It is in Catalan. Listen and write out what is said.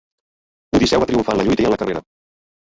Odisseu va triomfar en la lluita i en la carrera.